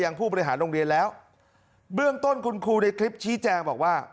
ผู้บริหารโรงเรียนแล้วเบื้องต้นคุณครูในคลิปชี้แจงบอกว่า